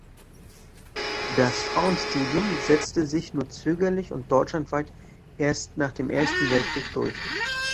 Das Frauenstudium setzte sich nur zögerlich und deutschlandweit erst nach dem Ersten Weltkrieg durch.